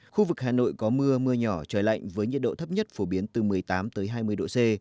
khu vực hà nội có mưa mưa nhỏ trời lạnh với nhiệt độ thấp nhất phổ biến từ một mươi tám tới hai mươi độ c